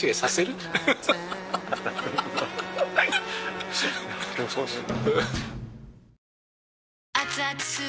でもそうですよね。